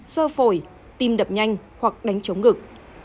sơ phổi tim đập nhanh hoặc đánh chống ngực